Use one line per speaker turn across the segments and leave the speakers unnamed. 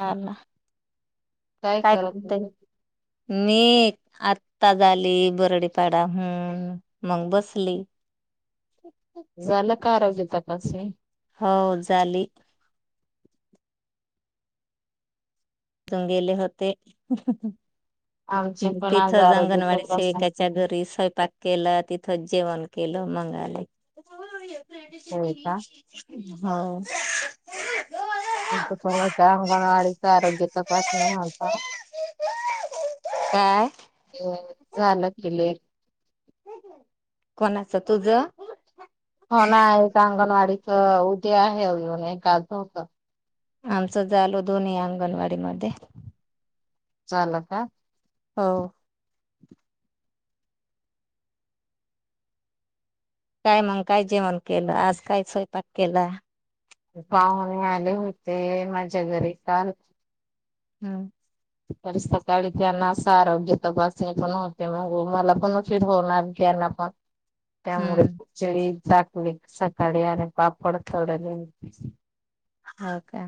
हा ना, काय
करत नाही.
करताय? आता झाली बरडीपाडा हम्म मग बसले.
झालं का आरोग्य तपासणी?
हो झाली. तिथून गेले होते,
आमची
मग
पण आज
तिथंच
आरोग्य
अंगणवाडीचे
तपासणी
काय च्या घरी स्वयंपाक केला, तिथंच जेवण केलं मंग आले.
होय का
हो.
[unintelligible] आरोग्य तपासणी होता
काय
झालं की लेट
कोणाच तुझं?
हो ना आहे अंगणवाडीच उद्या आहे अजून एक आजत
आमचं झालो दोन्ही अंगणवाडी मध्ये
चाल का
हो काय मग काय जेवण केलं आज काय स्वयंपाक केला
पाहणे आले होते माझ्या घरी काल
हम्
त सकाळी त्यांना असं आरोग्य तपासणी पण होते मग मला पण फिट होणार त्यांना पण
हम्म
त्यामुळेळी झाकली सकाळी आणि पापड डले
हो का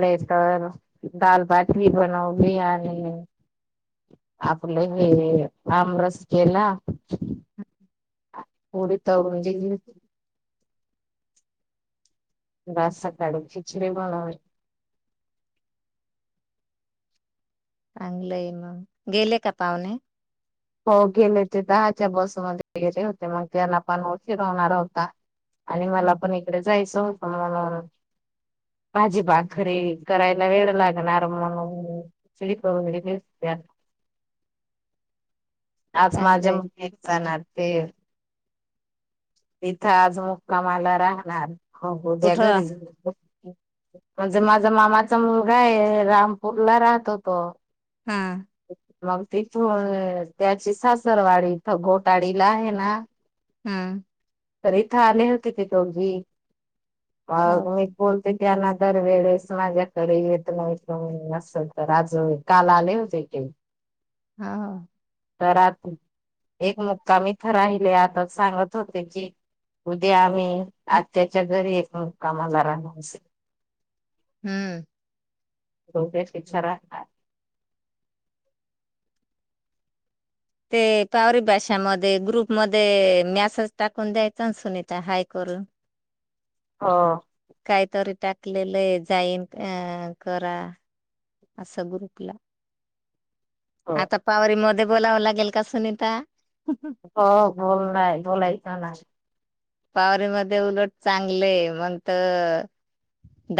ले तर दालबाटी बनवली आणि आपलं हे आमरस केला
हम्
उडी तव आज सकाळी खिचडी बनवली
चांगलंय मग, गेले का पाहुणे?
हो गेले ते दहाच्या बसमध्येध्ये वगैरे होते मग त्यांना पण उशिर होणार होता. आणि मला पण इकडे जायचं होतं म्हणून. भाजी भाकरी करायला वेळ लागणार म्हणून चिडीप [unintelligible] आज माझ्या
चांगलंय
म जाणार ते तिथं आज मुक्कामाला राहणार हो हो त्या
कुठं
घरी जा म्हणजे माझा मामाचा मुलगा आहे रामपूर ला राहतो तो
हा
मग तिथून त्याची सासुरवाडीला घोटाडीला आहे ना
हम्म
त इथं आले होते ते दोघी
हो
मग मी बोल ते त्यांना दरवेेळेस माझ्याकडे येतं येतन नल तर आज काल आले होते ह
हा ह
तर आ एक मुक्का मीथ राहिले आता सांगत होते की उद्या आम्ही आ त्याच्या घरी एक कामाला राहसे
हम्म
होकच इच्छा रा
ते पावरी भाषामध्ये ग्रुपमध्ये मॅसेज टाकून द्यायचां ना सुनीता हाय करून
हा
काहीतरी टाकलेलंय जाईन अ करा असा ग्रुपला
हो
आता पावरी मध्ये बोलावं लागेल का सुनीता
हो बोल ना बोलाय का नाही
पावररी म उलट चांगलेय मणत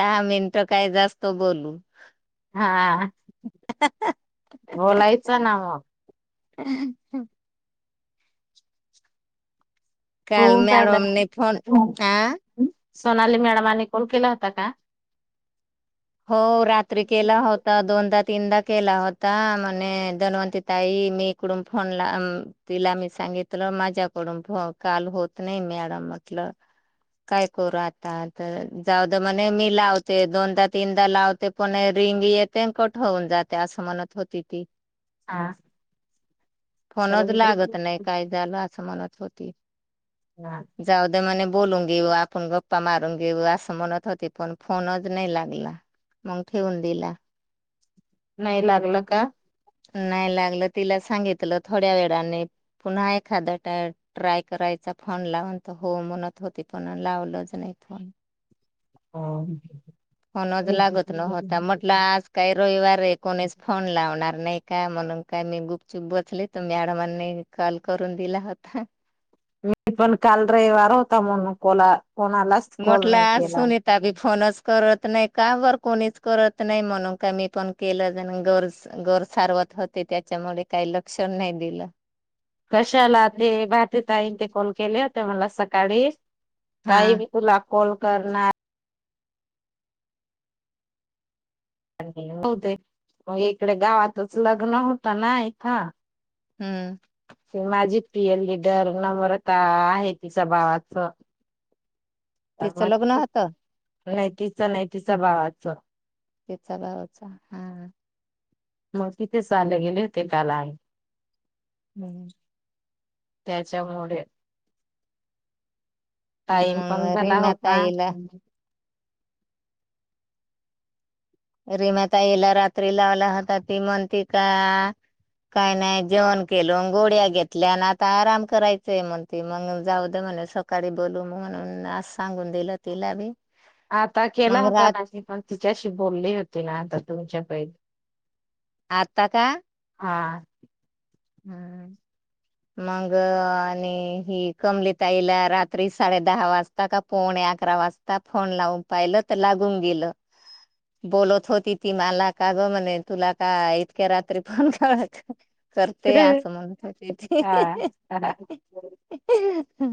दहा मिनिट काय जास्त बोलू
हा बोलायचं ना मग
च्छा
हो
काल
जायला
मॅडमने फोन आ
सोनाली मॅडमाने कॉल केला होता का
हो रात्री केला होत दोनदा तीनदा केला होता म्हणे दन्वंती ताई मी इकडून फोनला तिला मी सांगितलं माझ्याकडून काल होत नाही मॅडम म्हटलं काय करू आता तर जाऊद म्हणे मी लावते दोन तास तीनदा लावते पण रिंग येते कट होऊन जाते असं म्हणत होती ती.
हा. तर
फोनच लागत नाही काय झालं असं म्हणत होती.
ना.
जाऊ दे म्हणे बोलून घेऊ आपण गप्पा मारून घेऊ असं म्हणत होती पण फोनच नाही लागला. मग ठेवून दिला.
नाही लागलं का?
नाही लागलं तिला सांगितलं थोड्या वेळाने पुन्हा एखादा ट्राय ट्राय करायचा फोन लावून तर हो म्हणत होती फोन लावलंच नाही फोन
[inaudible]
फोनच लागत नव्हता म्हटलं आज काही रविवार आहे कोणीच फोन लावणार नाही का म्हणून काय मी गुपचुप बसली तर मॅडमांनी कॉल करून दिला होता.
मी पण काल रविवार होता म्हणू कोनाला कोणालाच कॉल नाही
म्हटलं
केला.
असून येत त्या बी फोनच करत नाही का बरं कोणीच करत नाही म्हणून का मी पण केलं गरज घर सावरत होते त्याच्यामुळे काही लक्ष नाही दिलं.
कशाला ते भारती ताईन ते कॉल केले होते मला सकाळी
हा
ताई तुला कॉल करणार हो तेग इकडे गावातच लग्न होतं ना इथं
हम्म.
ते माझी प्रिय लीडर नम्रता आहे तिच्या भावाच तर
तिचं
मग
लग्न
तिच
होतं.
नाही तिच नाही तिच भावाचं
त्याचा भावचा हा.
मग तिथे चाले गेले होते काल आइ
हम्म.
त्याच्यामुळे टाईम पण झाला होता.
रीमाताईला रीमा ताईला रात्री लावला होता ती म्हणती का काही नाही जेवण केल गोळ्या घेतल्या आणि आता आराम करायचंय म्हणती मग जाऊ दे म्हणे स काळी बोलू म्हगून अस सांगून दिलं तिला बी.
आता केला
मग
होता
रात
नाही पण तिच्याशी बोलली होती ना आता तुमच्या पाहि
आता का?
हा.
हम्म. मग आणि हि कमली ताईला रात्री साडे दहा वाजता का पावणे अकरा वाज आता फोन लावून पाहिलं तर लागून गेलं. बोलत होती ती मला का ग म्हणे तुला का इतक्या रात्री फोन कयच करते असं म्हणत होती ती.
हा हा.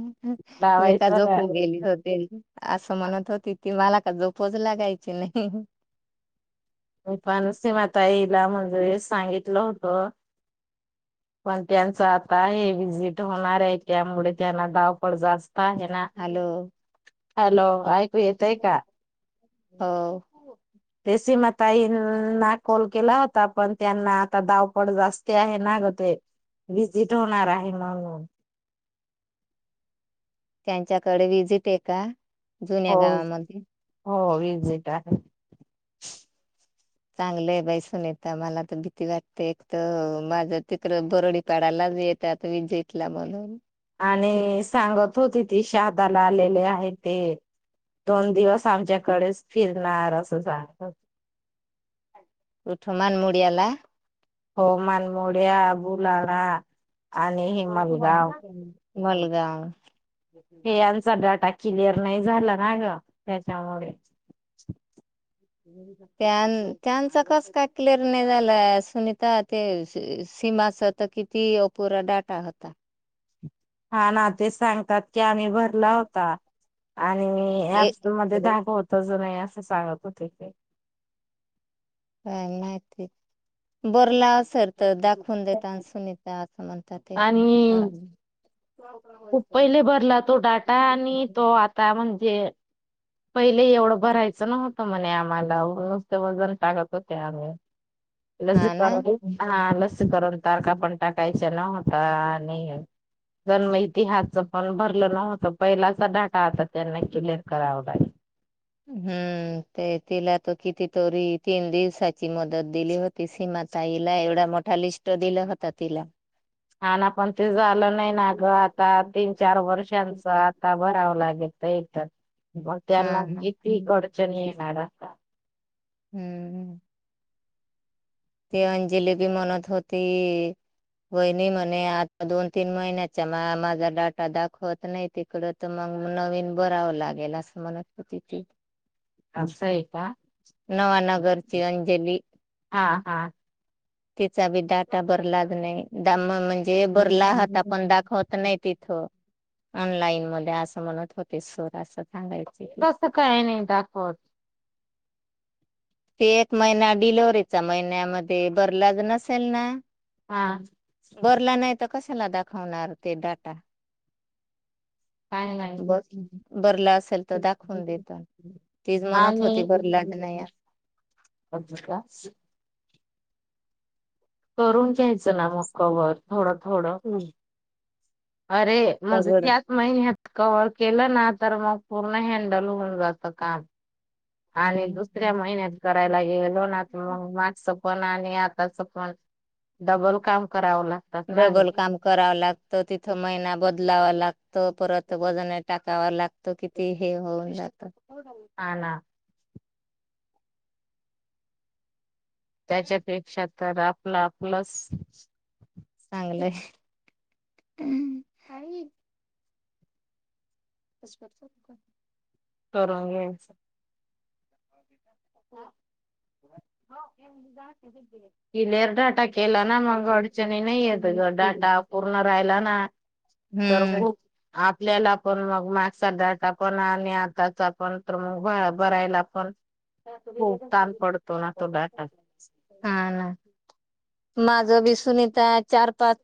[unintelligible] मी का
लावायचं ना
झोपून गेली होती. असं म्हणत होती ती मला का झोपच लागायची नाही.
मी पण सीमा ताईला म्हणजे हेच सांगितलं होत.
[inaudible]
पण त्यांच आता आहे विजिट होणार आहे त्यामुळे त्यांना धावपळ जास्त आहे ना.
हॅलो?
हॅलो ऐक
हो.
ते सीमाताईंना कॉल केला होता पण त्यांना आता धावपळ जास्ती आहे ना अग ते विजिट होणार आहे म्हणून.
त्यांच्याकडे विजिट आहे का? जुन्या
हो
गावामध्ये.
हो वजिट आहे
[inaudible] चांगलं बाईसून येत मला तर भीती वाटते एक तर माझं तिकडे बरडी पाडालाच येत त्यात वि जेतल्या म्हणून
आणि सांगत होती ती शहादाला आलेले आहे ते दोन दिवस आमच्याकडेच फिरणार असं सांगत
उठमान मुडीयाला
हो मानमोड्या बुलणा आणि हिमलगाव
मलगाव
हे यांचा डाटा क्लिअर नाही झाला ना ग त्याच्यामुळे
त त्यां त्यांचं कस काय क्लिअर नाही झालं सुनीता ते सीमाच ता किती अपुरा डाटा होता
हा ना तेच सांगतात की आम्ही भरला होता आणिी
ए
पस मध्ये धाग होतच नाही असं सांगत होते काही
काय माहिती बरलाव सर तर दाखवून दता सुनीत त्या असं म्हणतात तेरा
आणि खूप पहिले भरला तो डाटा आणि तो आता म्हणजे. पहिले एवढं भरायचं नवतं म्हणे आम्हाला नुसते वजन टाकत होते आम्ही लस
हा ना
करून हा लस करून तारका पण टाकायच्या नव्हता आणि जन्म इतिहाच पण भरलं नव्हतं पहिलाचा डाटा आता त्यांना क्लिअर करावं लागेल.
हम्म ते तिला त किती तरी तीन दिवसाची मुदत दिली होत ति सीमााताईला एवढा मोठा लिस्ट दिला होता तिला.
हा ना पण ते झालं नाही ना ग आता तीन चार वर्षांचं ता भरावं लागेल एक तर मग
हा
त्यांना
हा
किती अडचणी येणार
हम्म ते अंजली बी म्हणत होती होहिणी म्हणे आता दोन तीन महिन्याचा म माझा डाटा दाखवत नाही तिकड तर मग नवीन बरावं लागेल असं म्हणत हो त
असं आहे का
नवानगरची अंजली
हा हा
तिचा बी डाटा भर लाग नाही दा म्हणजे जे बरला आहात आपण दाखवत नाही तिथं ऑनलाईन म असं म्हणत होते सोर असं सांगायचे की
काही नाही दाखवत
ते एक महिना डिलवर्हरीचा महिन्यामध्ये भरलाज नसेल ना
हा
बरला नाही तर कशाला दाखवणार ते डाटा
काय
बरला असेल तर दाखवून देतो तीच मणत होती
आणि
बरला नाही
अगदी का करून घ्यायचं ना मग कवर थोडं थोडं अरे म्हणज
डबल
त्यात म ह्यात कवर्ह केलं ना तर मग पूर्ण हँडल होऊन जात काम आणि दुसऱ्या महिन्यात करायला गेल लोन मग मागचं पण आणि आताच पण डबल काम कराव ला
डबल काम करावं लागत
ना
तिथं महिना बदलावा लागत परत वजने टाक वा लागतो किती हे होऊन जात
ह ना त्याच्यापेक्षा तर आपलं आपलं...
चांगलंय.... तप...
करन घेईन....
हो जा.....
क्लिअर डाटा केला ना मग अडचणी नाही येत ग डाटा पूर्ण राहिला ना... तर
हम्म...
खूप आपल्याला पण मग मागचा डाटा पण आणि आताचा पण तर मग भरायला पण खूप ताण पडतो ना तो डाटा
हा ना.... माझं बसून इथ चार पाच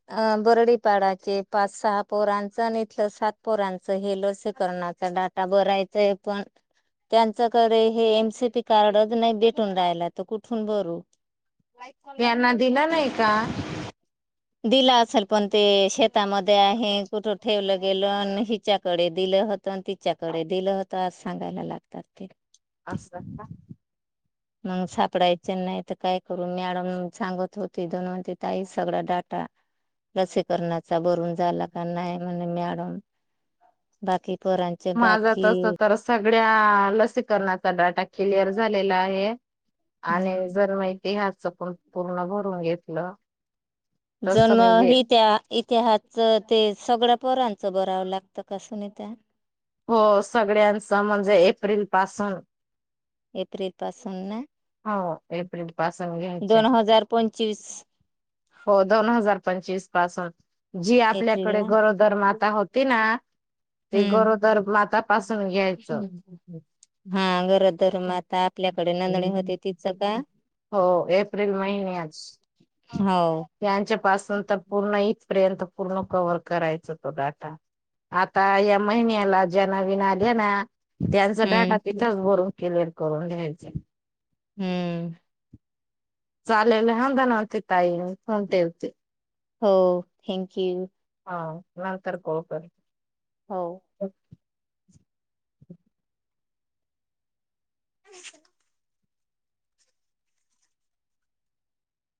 बर्डीपाडाचे पाच सहा पोरांचं आणि इथलं सात..... पोरांचं हे लसीकरणाचा डाटा बरायचाय पण... त्यांच्याकडे हे एमसीपी कार्डच नाही भेटून राहिला तर कुठून भरू....
यांना दिलं नाही का?
दिला असेल पण ते शेतामध्ये आहे कुठ.... ठेवलं गेलं हिच्याकडे दिलं होत तिच्याकडे दिलं होत आज सांगायला लागतात ते....
असता...
मग सापडायचे नाही तर काय करू मॅडम सांगत होती दोनवती ताई सगळा डाटा.. लसीकरणाचा भरून झाला का नाही म्हने मॅडम बाकी पां
माझं तस तर सगळ्या लसीकरणाचा डाटा..... क्लिअर झालेला आहे आणि जर मा..... तेहाजच पण पूर्ण भरून घेतलं... तस
जन्म
म्हणजे
हि त्या.... इतिहासचं ते सगळ्या पोरांचं बरावं लागतं कसून त्या...
हो सगळ्यांचं म्हणजे एप्रिल पासून...
एप्रिल पासून....
हो.... एप्रिल पासून.... घ्यायचे
दोन हजार पंचवीस....
हो दोन हजार पंचवीस पासून जी
एप्रिल
आपल्याकडे
ला
गरोदर माता होती ना.... ते गरोदर माता तपासून घ्यायचं....
हम्म हा गरोदर माता आता आपल्याकडे नोंदणी होती...
हो एप्रिल महिन्यात....
हो
त्यांच्या पाासून तर पूर्ण इथपर्यंत पूर्ण कव्हर करायचा तो डाटा... आता या महिन्याला जना विना घेणा... त्यांचा डाकाा
हम्म
तिथंच भरून क्लिअर करून लिहायच...
हम्म...
चालेला ह्या धनावती ता कोटती...
हो थँक यू...
हा नंतर करतो
हो.... [unintelligible]